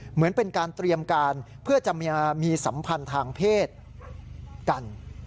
เหมือนเป็นการเตรียมการเพื่อจะมีสัมพันธ์ทางเพศกัน